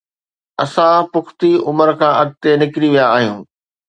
اسان پختي عمر کان اڳتي نڪري ويا آهيون.